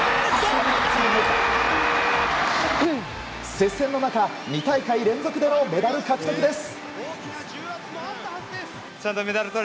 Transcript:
接戦の中、２大会連続でのメダル獲得です。